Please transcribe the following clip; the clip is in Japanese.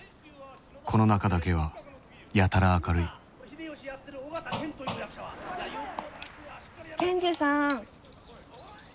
この中だけはやたら明るいケンジさん。